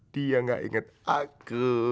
dia gak inget aku